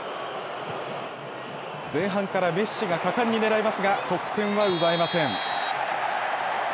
前半からメッシが果敢に狙いますが、得点は奪えません。